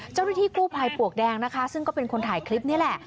เจ้าวิธีกู้ภัยปวกแดงซึ่งก็เป็นคนถ่ายคลิปนี่แหละ